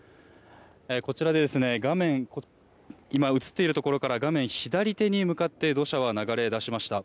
こちらで今、映っているところから画面左手に向かって土砂は流れ出しました。